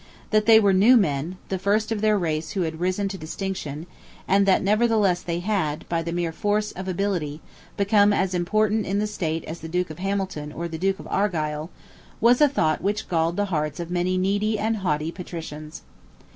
That they were new men, the first of their race who had risen to distinction, and that nevertheless they had, by the mere force of ability, become as important in the state as the Duke of Hamilton or the Earl of Argyle, was a thought which galled the hearts of many needy and haughty patricians.